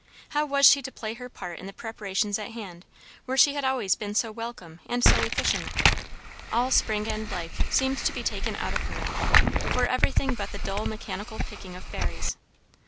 How was she to play her part in the preparations at hand, where she had always been so welcome and so efficient? All spring and life seemed to be taken out of her, for everything but the dull mechanical picking of berries.